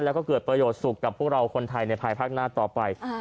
แล้วก็เกิดประโยชน์สุขกับพวกเราคนไทยในภายภาคหน้าต่อไป